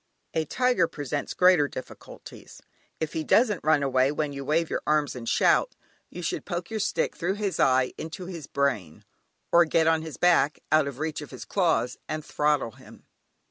A tiger presents greater difficulties. If he doesn't run away when you wave your arms and shout, you should poke your stick through his eye into his brain, or get on his back, out of reach of his claws, and throttle him.